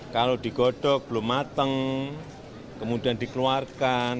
kalau digodok belum mateng kemudian dikeluarkan